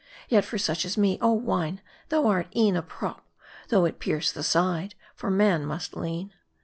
Yet for such as me, ah wine, thou art e'en a prop, though it pierce the side ; for man must lean.